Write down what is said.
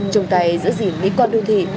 trùng tay giữ gìn mỹ quan đô thị